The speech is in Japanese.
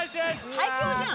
最強じゃん。